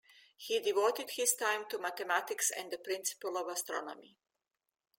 He devoted his time to mathematics and the principle of astronomy.